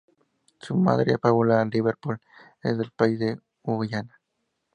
Su madre, Paula Liverpool, es del país de Guyana.